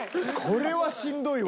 これはしんどいわ。